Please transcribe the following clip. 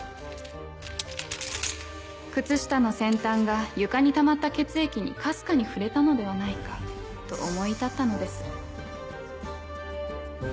靴下の先端が床にたまった血液にかすかに触れたのではないかと思い至ったのです。